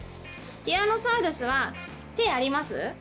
ティラノサウルスは手あります？